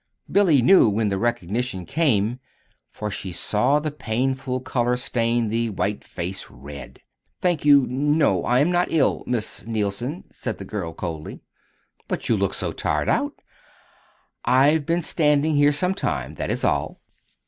Billy knew when the recognition came, for she saw the painful color stain the white face red. "Thank you, no. I am not ill, Miss Neilson," said the girl, coldly. "But you look so tired out!" "I have been standing here some time; that is all."